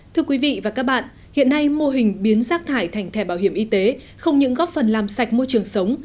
thưa quý vị và các bạn hiện nay mô hình biến rác thải thành thẻ bảo hiểm y tế không những góp phần làm sạch môi trường sống